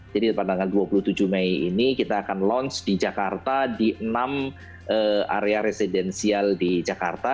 jadi pada dua puluh tujuh mei ini kita akan meluncurkan di jakarta di enam area residensial di jakarta